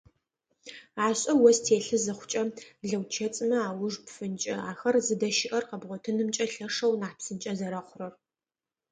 Ашӏэ, ос телъы зыхъукӏэ лэучэцӏымэ ауж пфынкӏэ, ахэр зыдэщыӏэр къэбгъотынымкӏэ лъэшэу нахь псынкӏэ зэрэхъурэр.